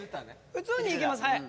普通にいけますはい。